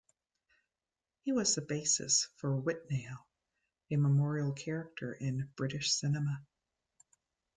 He was the basis for Withnail, a memorable character in British cinema.